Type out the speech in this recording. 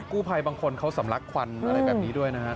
กู้ภัยบางคนเขาสำลักควันอะไรแบบนี้ด้วยนะฮะ